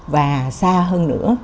và xa hơn nữa